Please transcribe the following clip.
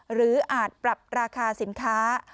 อาจปรับราคาสินค้า